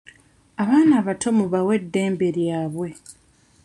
Abaana abato mubawe eddembe lyabwe.